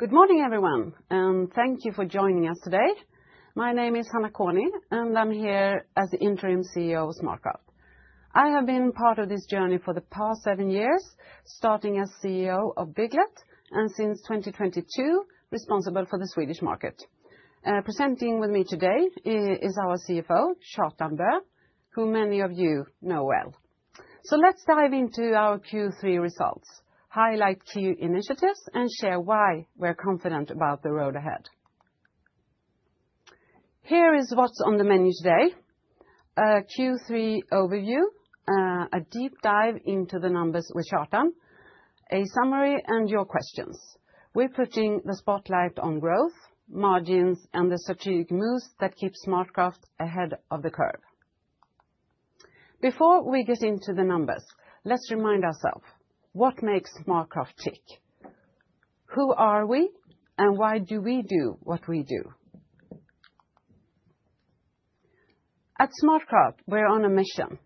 Good morning, everyone, and thank you for joining us today. My name is Hanna Konyi, and I'm here as the interim CEO of SmartCraft. I have been part of this journey for the past seven years, starting as CEO of Bygglet and, since 2022, responsible for the Swedish market. Presenting with me today is our CFO, Kjartan Bø, who many of you know well. So let's dive into our Q3 results, highlight key initiatives, and share why we're confident about the road ahead. Here is what's on the menu today: a Q3 overview, a deep dive into the numbers with Kjartan, a summary, and your questions. We're putting the spotlight on growth, margins, and the strategic moves that keep SmartCraft ahead of the curve. Before we get into the numbers, let's remind ourselves: what makes SmartCraft tick? Who are we, and why do we do what we do? At SmartCraft, we're on a mission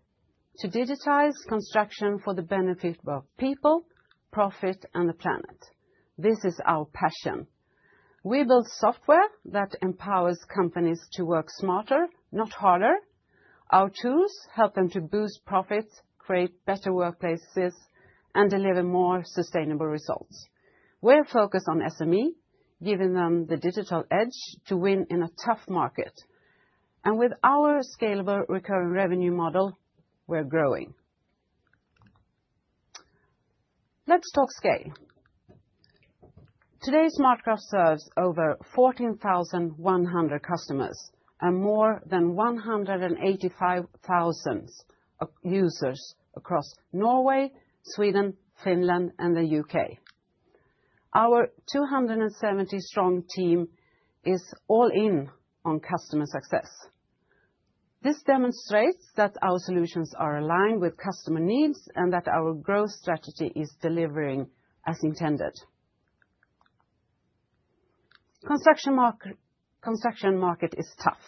to digitize construction for the benefit of people, profit, and the planet. This is our passion. We build software that empowers companies to work smarter, not harder. Our tools help them to boost profits, create better workplaces, and deliver more sustainable results. We're focused on SME, giving them the digital edge to win in a tough market. And with our scalable recurring revenue model, we're growing. Let's talk scale. Today, SmartCraft serves over 14,100 customers and more than 185,000 users across Norway, Sweden, Finland, and the U.K. Our 270-strong team is all in on customer success. This demonstrates that our solutions are aligned with customer needs and that our growth strategy is delivering as intended. Construction market is tough: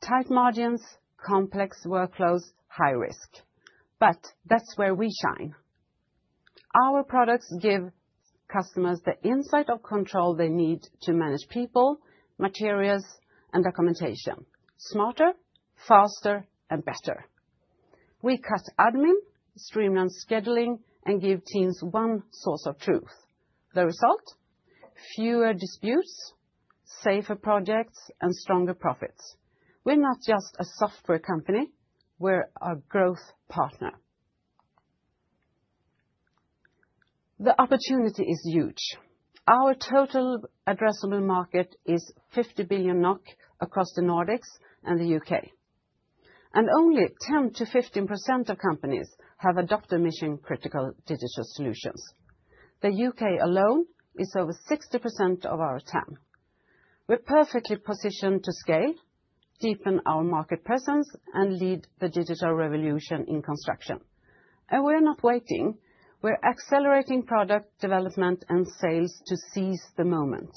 tight margins, complex workflows, high risk. But that's where we shine. Our products give customers the insight of control they need to manage people, materials, and documentation, smarter, faster, and better. We cut admin, streamline scheduling, and give teams one source of truth. The result? Fewer disputes, safer projects, and stronger profits. We're not just a software company. We're a growth partner. The opportunity is huge. Our total addressable market is 50 billion NOK across the Nordics and the UK. And only 10%-15% of companies have adopted mission-critical digital solutions. The UK alone is over 60% of our TAM. We're perfectly positioned to scale, deepen our market presence, and lead the digital revolution in construction. And we're not waiting. We're accelerating product development and sales to seize the moment.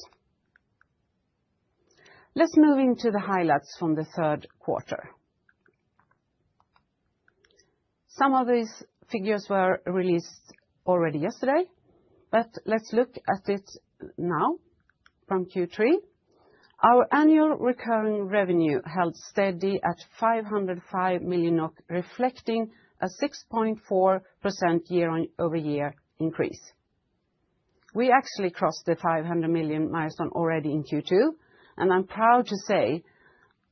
Let's move into the highlights from the third quarter. Some of these figures were released already yesterday, but let's look at it now from Q3. Our annual recurring revenue held steady at 505 million NOK, reflecting a 6.4% year-over-year increase. We actually crossed the 500 million milestone already in Q2, and I'm proud to say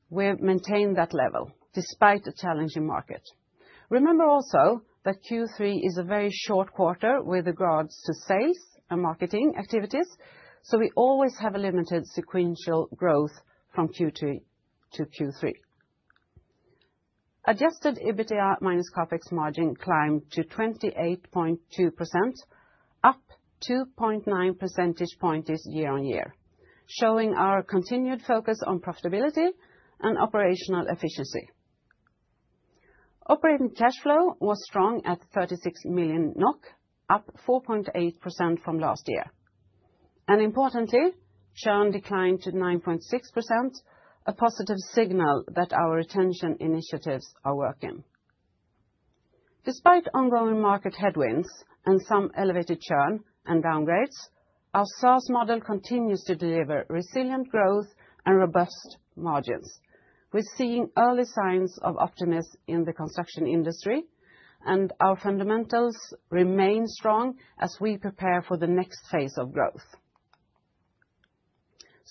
we've maintained that level despite a challenging market. Remember also that Q3 is a very short quarter with regards to sales and marketing activities, so we always have a limited sequential growth from Q2 to Q3. Adjusted EBITDA minus CapEx margin climbed to 28.2%, up 2.9 percentage points year-on-year, showing our continued focus on profitability and operational efficiency. Operating cash flow was strong at 36 million NOK, up 4.8% from last year. And importantly, churn declined to 9.6%, a positive signal that our retention initiatives are working. Despite ongoing market headwinds and some elevated churn and downgrades, our SaaS model continues to deliver resilient growth and robust margins. We're seeing early signs of optimism in the construction industry, and our fundamentals remain strong as we prepare for the next phase of growth.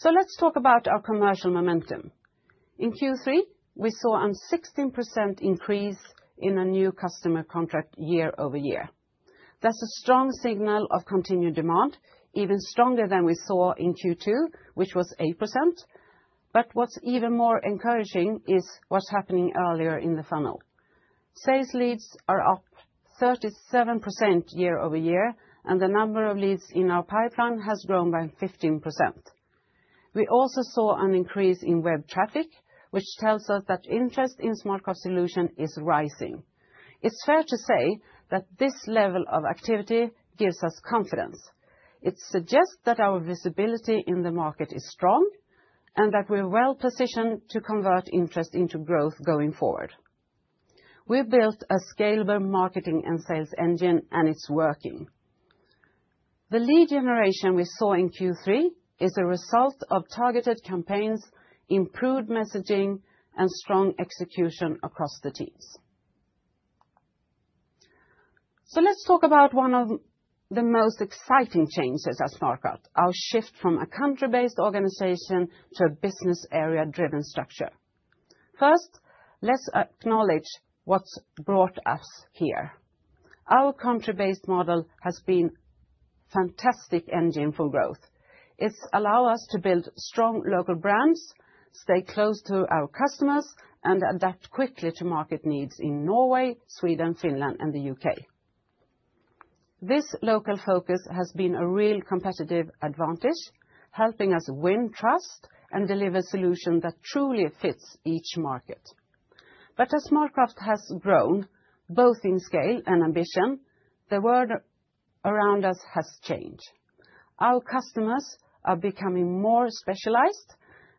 So let's talk about our commercial momentum. In Q3, we saw a 16% increase in our new customer contract year-over-year. That's a strong signal of continued demand, even stronger than we saw in Q2, which was 8%. But what's even more encouraging is what's happening earlier in the funnel. Sales leads are up 37% year-over-year, and the number of leads in our pipeline has grown by 15%. We also saw an increase in web traffic, which tells us that interest in SmartCraft's solution is rising. It's fair to say that this level of activity gives us confidence. It suggests that our visibility in the market is strong and that we're well positioned to convert interest into growth going forward. We've built a scalable marketing and sales engine, and it's working. The lead generation we saw in Q3 is a result of targeted campaigns, improved messaging, and strong execution across the teams, so let's talk about one of the most exciting changes at SmartCraft: our shift from a country-based organization to a business-area-driven structure. First, let's acknowledge what's brought us here. Our country-based model has been a fantastic engine for growth. It's allowed us to build strong local brands, stay close to our customers, and adapt quickly to market needs in Norway, Sweden, Finland, and the U.K. This local focus has been a real competitive advantage, helping us win trust and deliver solutions that truly fit each market, but as SmartCraft has grown, both in scale and ambition, the world around us has changed. Our customers are becoming more specialized,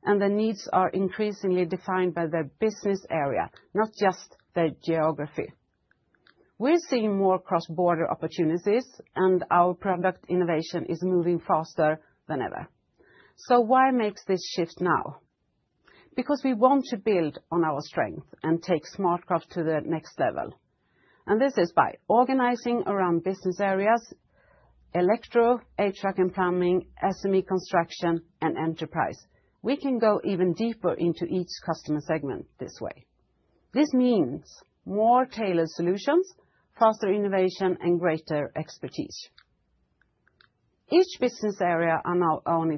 and their needs are increasingly defined by their business area, not just their geography. We're seeing more cross-border opportunities, and our product innovation is moving faster than ever. So why make this shift now? Because we want to build on our strength and take SmartCraft to the next level. And this is by organizing around business areas: electrical, HVAC and plumbing, SME construction, and enterprise. We can go even deeper into each customer segment this way. This means more tailored solutions, faster innovation, and greater expertise. Each business area now owns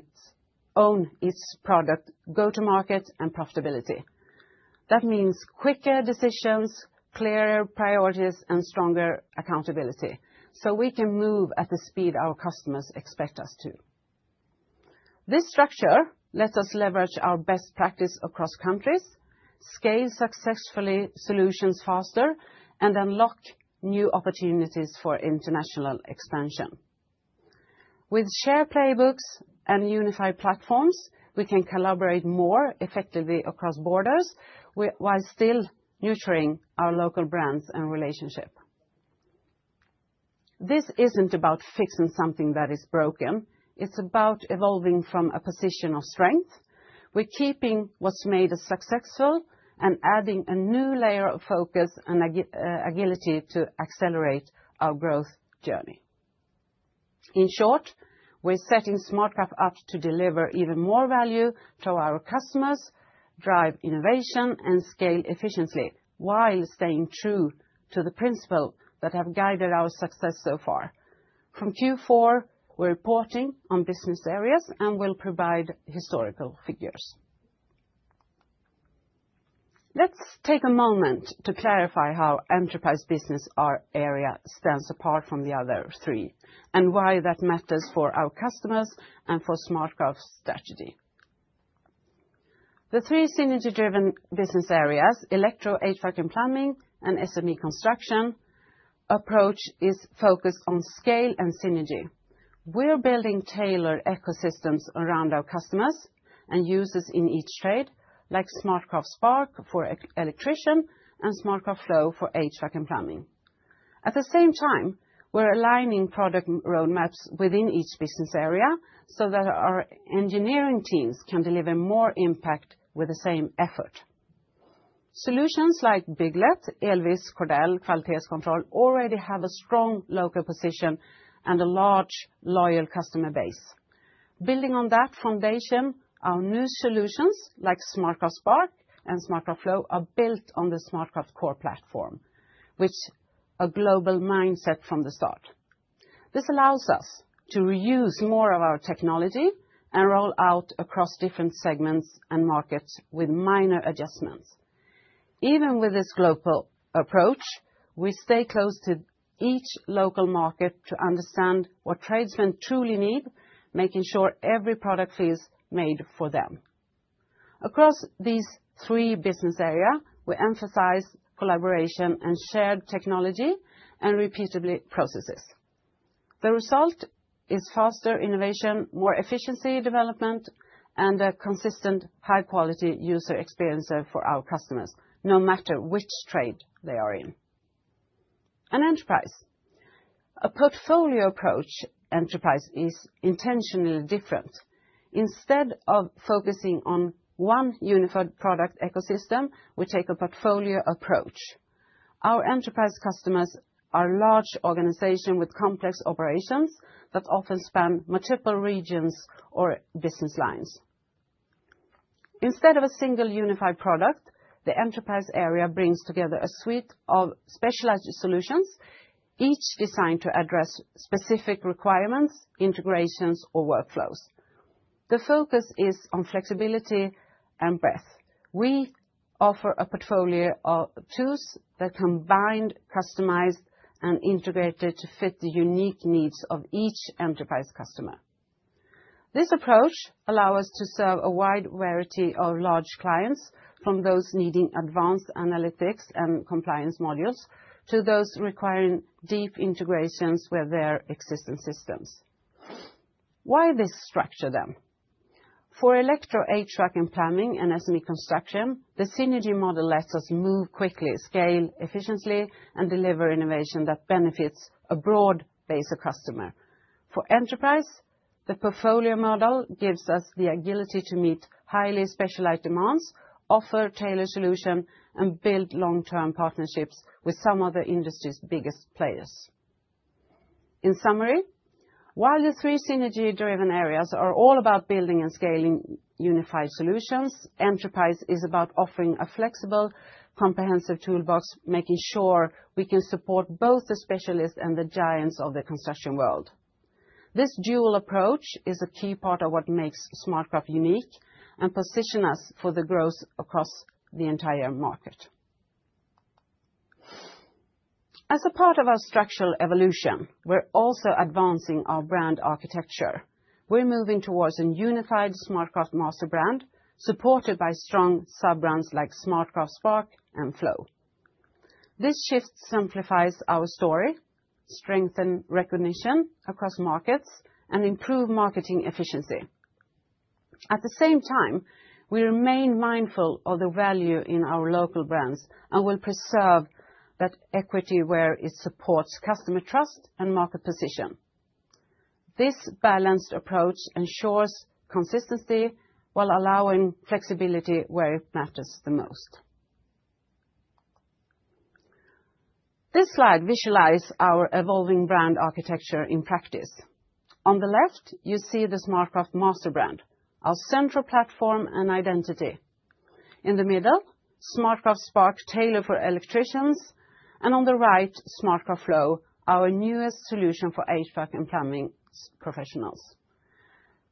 its own product, go-to-market, and profitability. That means quicker decisions, clearer priorities, and stronger accountability so we can move at the speed our customers expect us to. This structure lets us leverage our best practice across countries, scale successfully solutions faster, and unlock new opportunities for international expansion. With shared playbooks and unified platforms, we can collaborate more effectively across borders while still nurturing our local brands and relationship. This isn't about fixing something that is broken. It's about evolving from a position of strength. We're keeping what's made us successful and adding a new layer of focus and agility to accelerate our growth journey. In short, we're setting SmartCraft up to deliver even more value to our customers, drive innovation, and scale efficiently while staying true to the principles that have guided our success so far. From Q4, we're reporting on business areas and will provide historical figures. Let's take a moment to clarify how enterprise business, our area, stands apart from the other three and why that matters for our customers and for SmartCraft's strategy. The three synergy-driven business areas, electrical, HVAC and plumbing, and SME construction approach is focused on scale and synergy. We're building tailored ecosystems around our customers and users in each trade, like SmartCraft Spark for electricians and SmartCraft Flow for HVAC and plumbing. At the same time, we're aligning product roadmaps within each business area so that our engineering teams can deliver more impact with the same effort. Solutions like Bygglet, EL-VIS, Cordel, and Kvalitetskontroll already have a strong local position and a large, loyal customer base. Building on that foundation, our new solutions like SmartCraft Spark and SmartCraft Flow are built on the SmartCraft Core Platform, which is a global mindset from the start. This allows us to reuse more of our technology and roll out across different segments and markets with minor adjustments. Even with this global approach, we stay close to each local market to understand what tradesmen truly need, making sure every product feels made for them. Across these three business areas, we emphasize collaboration and shared technology and repeatable processes. The result is faster innovation, more efficient development, and a consistent, high-quality user experience for our customers, no matter which trade they are in. And enterprise. A portfolio approach enterprise is intentionally different. Instead of focusing on one unified product ecosystem, we take a portfolio approach. Our enterprise customers are large organizations with complex operations that often span multiple regions or business lines. Instead of a single unified product, the enterprise area brings together a suite of specialized solutions, each designed to address specific requirements, integrations, or workflows. The focus is on flexibility and breadth. We offer a portfolio of tools that are combined, customized, and integrated to fit the unique needs of each enterprise customer. This approach allows us to serve a wide variety of large clients, from those needing advanced analytics and compliance modules to those requiring deep integrations with their existing systems. Why this structure, then? For electrical, HVAC and plumbing, and SME construction, the synergy model lets us move quickly, scale efficiently, and deliver innovation that benefits a broad base of customers. For enterprise, the portfolio model gives us the agility to meet highly specialized demands, offer tailored solutions, and build long-term partnerships with some of the industry's biggest players. In summary, while the three synergy-driven areas are all about building and scaling unified solutions, enterprise is about offering a flexible, comprehensive toolbox, making sure we can support both the specialists and the giants of the construction world. This dual approach is a key part of what makes SmartCraft unique and positions us for the growth across the entire market. As a part of our structural evolution, we're also advancing our brand architecture. We're moving towards a unified SmartCraft master brand, supported by strong sub-brands like SmartCraft Spark and Flow. This shift simplifies our story, strengthens recognition across markets, and improves marketing efficiency. At the same time, we remain mindful of the value in our local brands and will preserve that equity where it supports customer trust and market position. This balanced approach ensures consistency while allowing flexibility where it matters the most. This slide visualizes our evolving brand architecture in practice. On the left, you see the SmartCraft master brand, our central platform and identity. In the middle, SmartCraft Spark, tailored for electricians, and on the right, SmartCraft Flow, our newest solution for HVAC and plumbing professionals.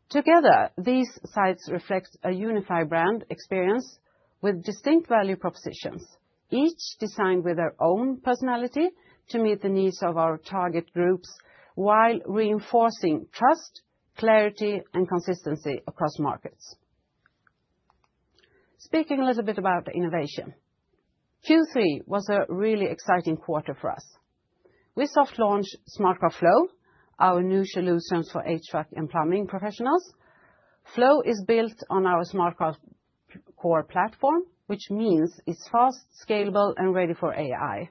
Together, these sites reflect a unified brand experience with distinct value propositions, each designed with our own personality to meet the needs of our target groups while reinforcing trust, clarity, and consistency across markets. Speaking a little bit about innovation, Q3 was a really exciting quarter for us. We soft-launched SmartCraft Flow, our new solution for HVAC and plumbing professionals. Flow is built on our SmartCraft Core Platform, which means it's fast, scalable, and ready for AI.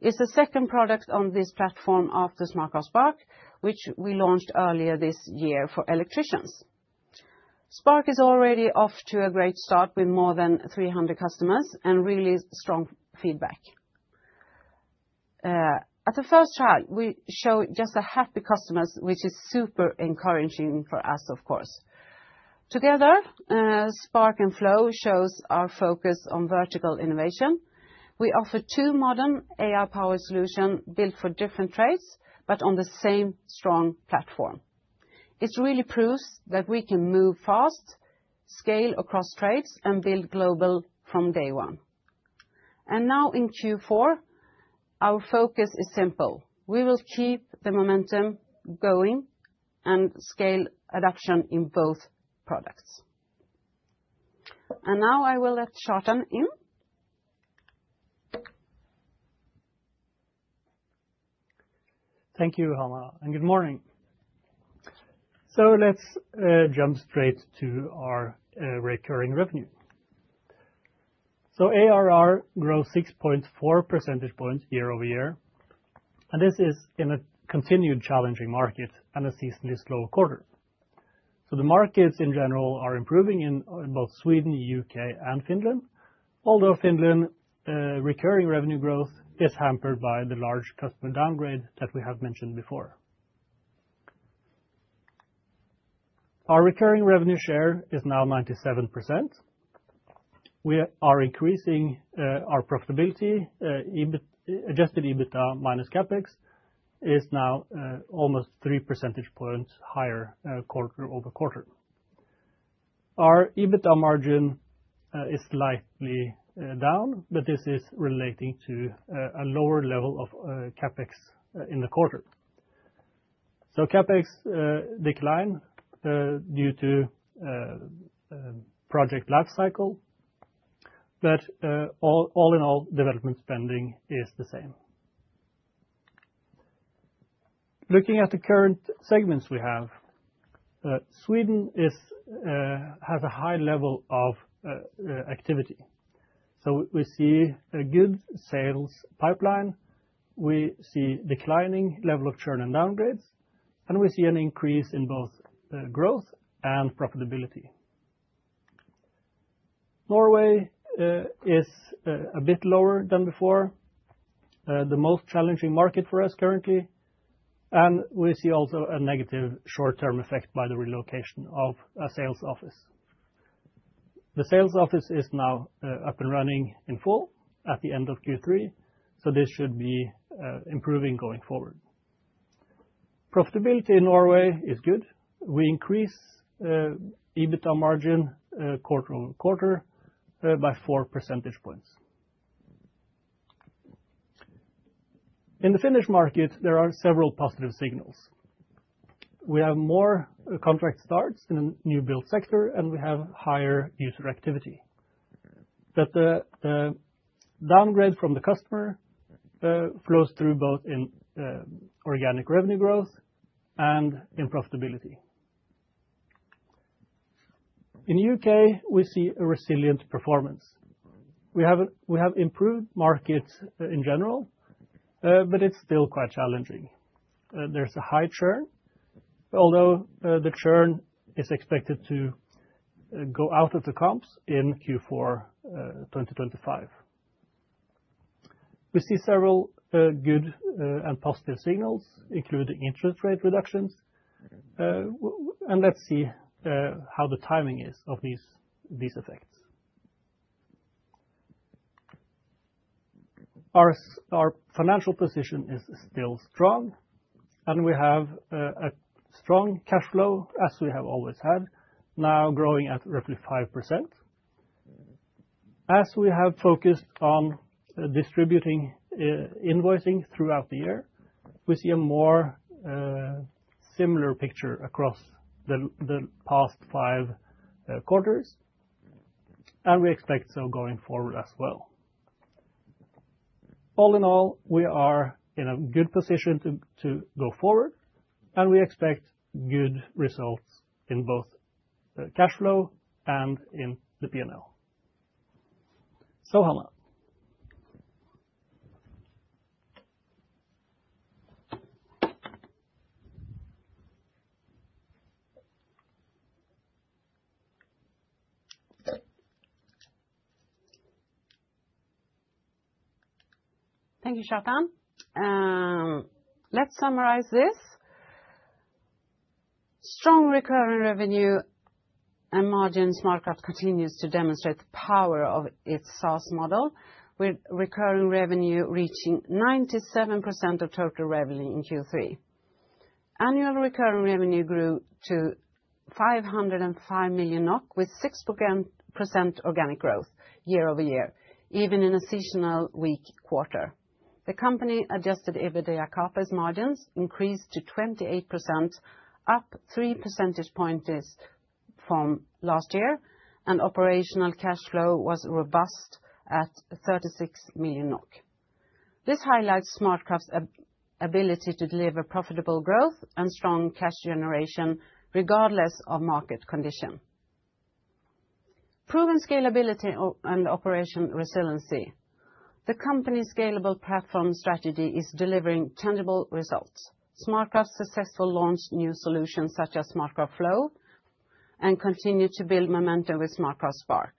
It's the second product on this platform after SmartCraft Spark, which we launched earlier this year for electricians. Spark is already off to a great start with more than 300 customers and really strong feedback. At the first trial, we showed just a happy customer, which is super encouraging for us, of course. Together, Spark and Flow show our focus on vertical innovation. We offer two modern AI-powered solutions built for different trades, but on the same strong platform. It really proves that we can move fast, scale across trades, and build global from day one. Now in Q4, our focus is simple. We will keep the momentum going and scale adoption in both products. Now I will let Kjartan in. Thank you, Hanna, and good morning. Let's jump straight to our recurring revenue. ARR grows 6.4 percentage points year over year. This is in a continued challenging market and a seasonally slow quarter. The markets in general are improving in both Sweden, U.K., and Finland, although Finland's recurring revenue growth is hampered by the large customer downgrade that we have mentioned before. Our recurring revenue share is now 97%. We are increasing our profitability. Adjusted EBITDA minus CapEx is now almost three percentage points higher quarter over quarter. Our EBITDA margin is slightly down, but this is relating to a lower level of CapEx in the quarter, so CapEx declined due to project lifecycle, but all in all, development spending is the same. Looking at the current segments we have, Sweden has a high level of activity, so we see a good sales pipeline. We see a declining level of churn and downgrades, and we see an increase in both growth and profitability. Norway is a bit lower than before, the most challenging market for us currently, and we see also a negative short-term effect by the relocation of a sales office. The sales office is now up and running in full at the end of Q3, so this should be improving going forward. Profitability in Norway is good. We increase EBITDA margin quarter over quarter by 4 percentage points. In the Finnish market, there are several positive signals. We have more contract starts in a new-build sector, and we have higher user activity. But the downgrade from the customer flows through both in organic revenue growth and in profitability. In the U.K., we see resilient performance. We have improved markets in general, but it's still quite challenging. There's a high churn, although the churn is expected to go out of the comps in Q4 2025. We see several good and positive signals, including interest rate reductions. And let's see how the timing is of these effects. Our financial position is still strong, and we have a strong cash flow, as we have always had, now growing at roughly 5%. As we have focused on distributing invoicing throughout the year, we see a more similar picture across the past five quarters, and we expect so going forward as well. All in all, we are in a good position to go forward, and we expect good results in both cash flow and in the P&L. So, Hanna. Thank you, Kjartan. Let's summarize this. Strong recurring revenue and margin SmartCraft continues to demonstrate the power of its SaaS model, with recurring revenue reaching 97% of total revenue in Q3. Annual recurring revenue grew to 505 million NOK, with 6% organic growth year over year, even in a seasonal weak quarter. The company-adjusted EBITDA CapEx margins increased to 28%, up 3 percentage points from last year, and operational cash flow was robust at 36 million NOK. This highlights SmartCraft's ability to deliver profitable growth and strong cash generation, regardless of market condition. Proven scalability and operational resiliency. The company's scalable platform strategy is delivering tangible results. SmartCraft successfully launched new solutions such as SmartCraft Flow and continued to build momentum with SmartCraft Spark.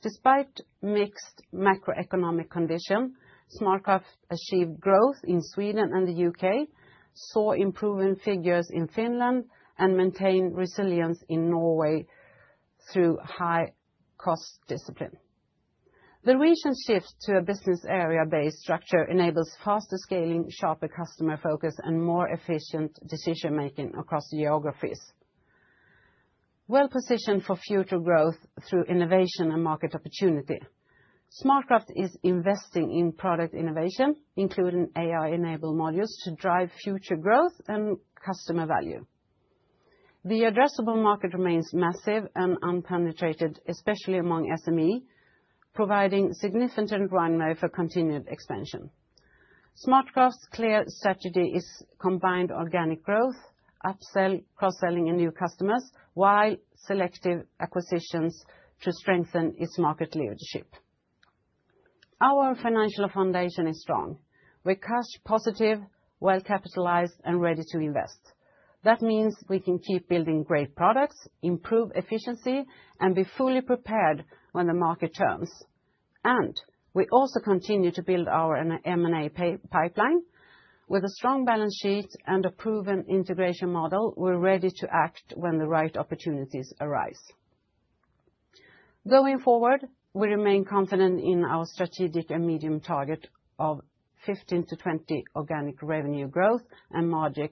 Despite mixed macroeconomic conditions, SmartCraft achieved growth in Sweden and the U.K., saw improving figures in Finland, and maintained resilience in Norway through high-cost discipline. The region's shift to a business-area-based structure enables faster scaling, sharper customer focus, and more efficient decision-making across geographies. Well-positioned for future growth through innovation and market opportunity, SmartCraft is investing in product innovation, including AI-enabled modules to drive future growth and customer value. The addressable market remains massive and unpenetrated, especially among SMEs, providing significant runway for continued expansion. SmartCraft's clear strategy is combined organic growth, upsell, cross-selling in new customers, while selective acquisitions to strengthen its market leadership. Our financial foundation is strong. We're cash positive, well-capitalized, and ready to invest. That means we can keep building great products, improve efficiency, and be fully prepared when the market turns. And we also continue to build our M&A pipeline. With a strong balance sheet and a proven integration model, we're ready to act when the right opportunities arise. Going forward, we remain confident in our strategic and medium-term target of 15 to 20 organic revenue growth and margin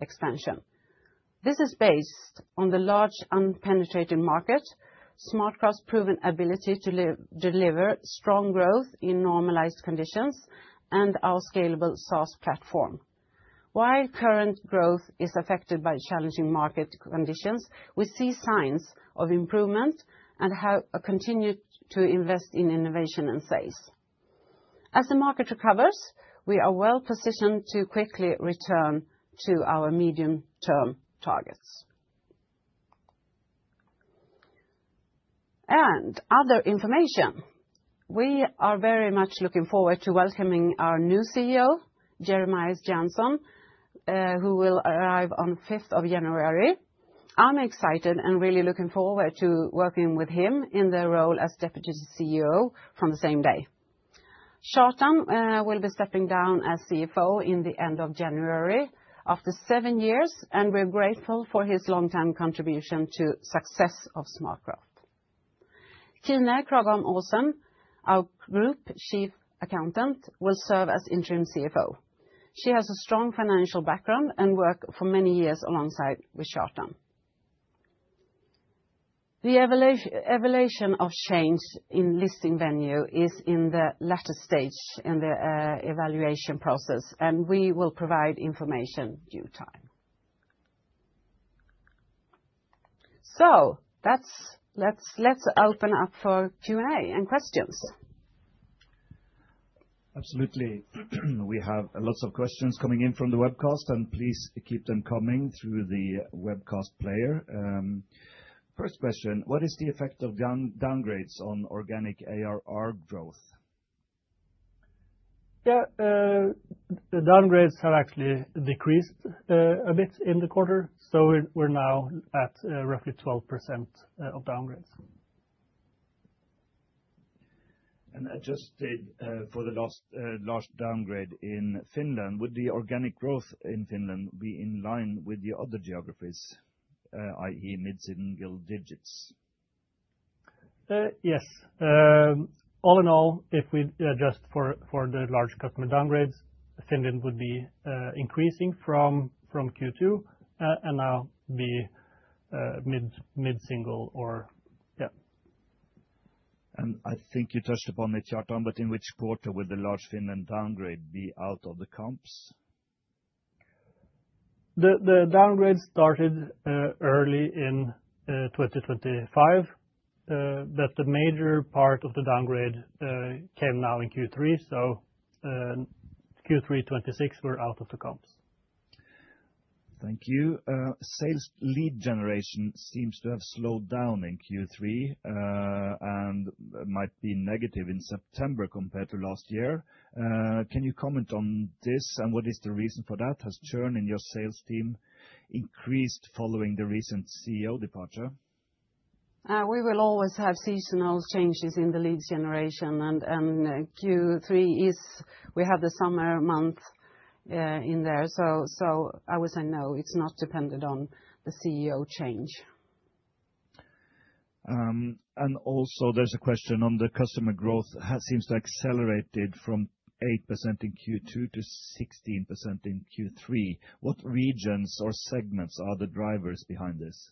expansion. This is based on the large unpenetrated market, SmartCraft's proven ability to deliver strong growth in normalized conditions, and our scalable SaaS platform. While current growth is affected by challenging market conditions, we see signs of improvement and have continued to invest in innovation and sales. As the market recovers, we are well-positioned to quickly return to our medium-term targets. And other information. We are very much looking forward to welcoming our new CEO, Jeremias Jansson, who will arrive on 5th of January. I'm excited and really looking forward to working with him in the role as Deputy CEO from the same day. Kjartan will be stepping down as CFO at the end of January after seven years, and we're grateful for his long-term contribution to the success of SmartCraft. Kjerstin Kragholm-Olsen, our Group Chief Accountant, will serve as interim CFO. She has a strong financial background and worked for many years alongside Kjartan. The evaluation of change in listing venue is in the latter stage in the evaluation process, and we will provide information in due time. So let's open up for Q&A and questions. Absolutely. We have lots of questions coming in from the webcast, and please keep them coming through the webcast player. First question: What is the effect of downgrades on organic ARR growth? Yeah, the downgrades have actually decreased a bit in the quarter, so we're now at roughly 12% of downgrades. And adjusted for the last large downgrade in Finland, would the organic growth in Finland be in line with the other geographies, i.e., mid-single digits? Yes. All in all, if we adjust for the large customer downgrades, Finland would be increasing from Q2 and now be mid-single or, yeah. And I think you touched upon it, Kjartan, but in which quarter would the large Finland downgrade be out of the comps? The downgrade started early in 2025, but the major part of the downgrade came now in Q3, so Q3 26, we're out of the comps. Thank you. Sales lead generation seems to have slowed down in Q3 and might be negative in September compared to last year. Can you comment on this and what is the reason for that? Has churn in your sales team increased following the recent CEO departure? We will always have seasonal changes in the leads generation, and Q3 is we have the summer month in there. So I would say no, it's not dependent on the CEO change. And also there's a question on the customer growth. It seems to have accelerated from 8% in Q2 to 16% in Q3. What regions or segments are the drivers behind this?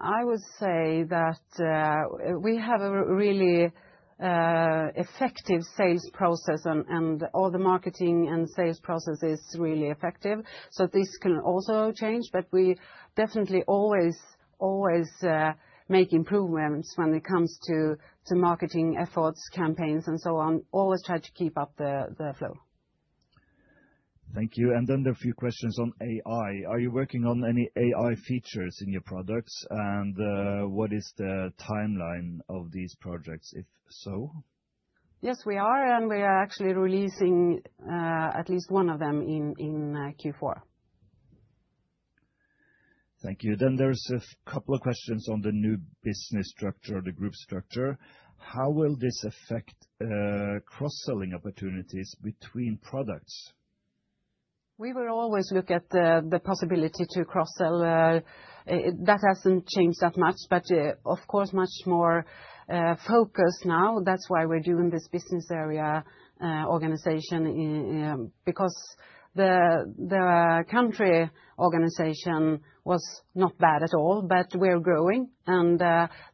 I would say that we have a really effective sales process, and all the marketing and sales process is really effective. So this can also change, but we definitely always make improvements when it comes to marketing efforts, campaigns, and so on. Always try to keep up the flow. Thank you. And then there are a few questions on AI. Are you working on any AI features in your products, and what is the timeline of these projects, if so? Yes, we are, and we are actually releasing at least one of them in Q4. Thank you. Then there's a couple of questions on the new business structure, the group structure. How will this affect cross-selling opportunities between products? We will always look at the possibility to cross-sell. That hasn't changed that much, but of course, much more focused now. That's why we're doing this business area organization, because the country organization was not bad at all, but we're growing, and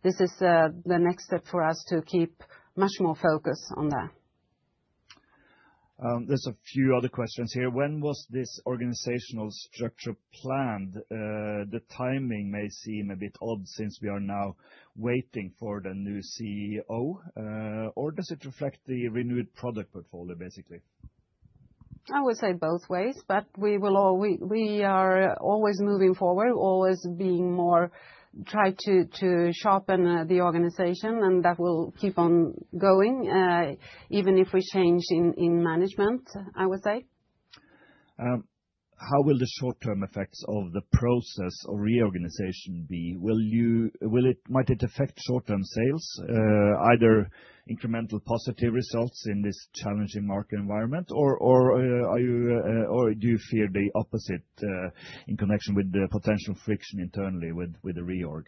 this is the next step for us to keep much more focus on that. There's a few other questions here. When was this organizational structure planned? The timing may seem a bit odd since we are now waiting for the new CEO. Or does it reflect the renewed product portfolio, basically? I would say both ways, but we are always moving forward, always being more trying to sharpen the organization, and that will keep on going, even if we change in management, I would say. How will the short-term effects of the process of reorganization be? Will it affect short-term sales, either incremental positive results in this challenging market environment, or do you fear the opposite in connection with the potential friction internally with the reorg?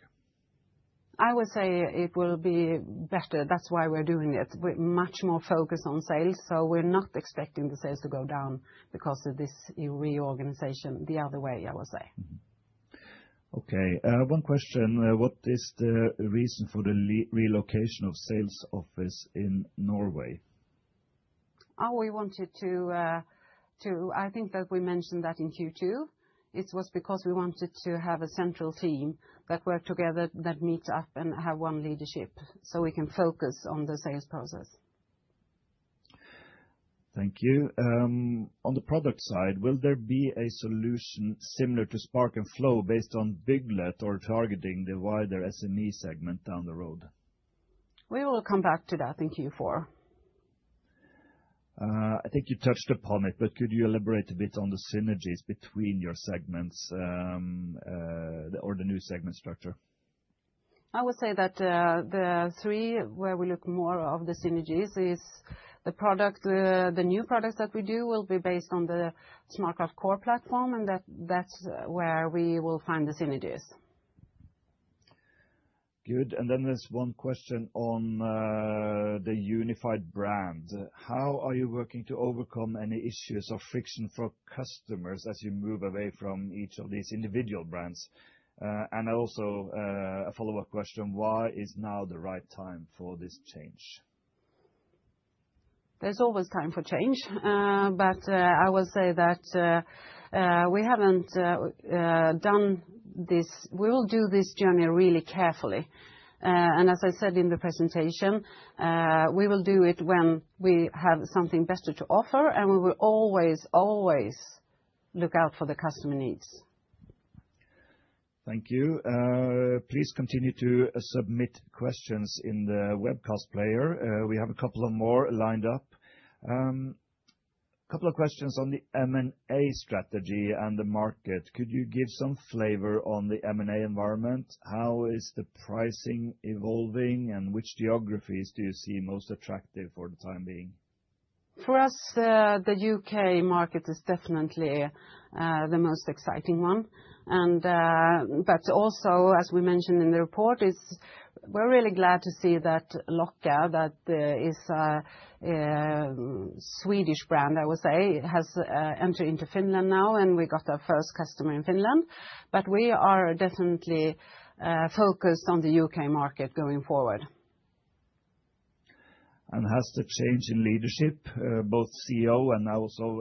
I would say it will be better. That's why we're doing it. We're much more focused on sales, so we're not expecting the sales to go down because of this reorganization the other way, I would say. Okay. One question. What is the reason for the relocation of sales office in Norway? Oh, we wanted to. I think that we mentioned that in Q2. It was because we wanted to have a central team that worked together, that meets up and have one leadership, so we can focus on the sales process. Thank you. On the product side, will there be a solution similar to Spark and Flow based on Bygglet or targeting the wider SME segment down the road? We will come back to that in Q4. I think you touched upon it, but could you elaborate a bit on the synergies between your segments or the new segment structure? I would say that the three where we look more of the synergies is the product, the new products that we do will be based on the SmartCraft Core Platform, and that's where we will find the synergies. Good. And then there's one question on the unified brand. How are you working to overcome any issues of friction for customers as you move away from each of these individual brands? And also a follow-up question. Why is now the right time for this change? There's always time for change, but I will say that we haven't done this. We will do this journey really carefully. And as I said in the presentation, we will do it when we have something better to offer, and we will always, always look out for the customer needs. Thank you. Please continue to submit questions in the webcast player. We have a couple of more lined up. A couple of questions on the M&A strategy and the market. Could you give some flavor on the M&A environment? How is the pricing evolving, and which geographies do you see most attractive for the time being? For us, the U.K. market is definitely the most exciting one. But also, as we mentioned in the report, we're really glad to see that Locka, that is a Swedish brand, I would say, has entered into Finland now, and we got our first customer in Finland. But we are definitely focused on the U.K. market going forward. And has the change in leadership, both CEO and now also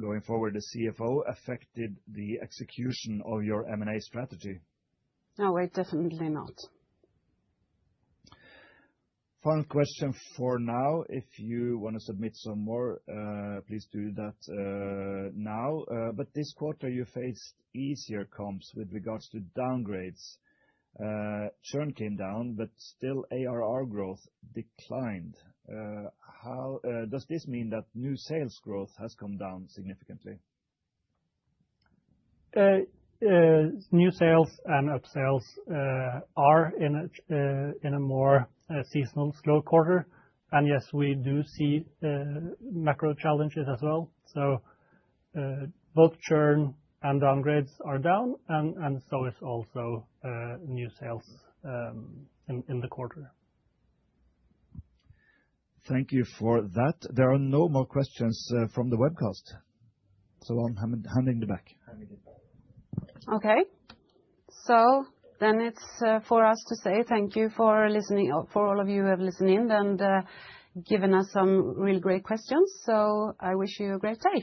going forward the CFO, affected the execution of your M&A strategy? No, it definitely not. Final question for now. If you want to submit some more, please do that now. But this quarter, you faced easier comps with regards to downgrades. Churn came down, but still ARR growth declined. Does this mean that new sales growth has come down significantly? New sales and upsales are in a more seasonal, slow quarter. And yes, we do see macro challenges as well. So both churn and downgrades are down, and so is also new sales in the quarter. Thank you for that. There are no more questions from the webcast, so I'm handing the mic. Okay. So then it's for us to say thank you for listening, for all of you who have listened in and given us some really great questions. So I wish you a great day.